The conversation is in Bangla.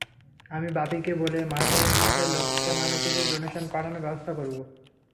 আমি বাপীকে বলে মাসে মাসে লোকটার নামে কিছু ডোনেশন পাঠানোর ব্যবস্থা করব।